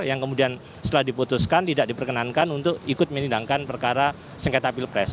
yang kemudian setelah diputuskan tidak diperkenankan untuk ikut menidangkan perkara sengketa pilpres